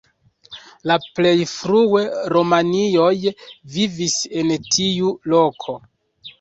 La plej frue romianoj vivis en tiu loko.